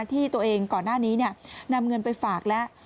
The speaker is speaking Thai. ที่ตัวเองก่อนหน้านี้นำเงินไปฝากแล้ว